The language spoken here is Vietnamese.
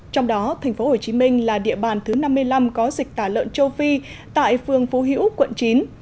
trong đó tp hcm là địa bàn thứ năm mươi năm có dịch tả lợn châu phi tại phường phú hiễu quận chín